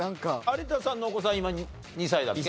有田さんのお子さん今２歳だっけ？